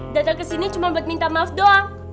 datang kesini cuma buat minta maaf doang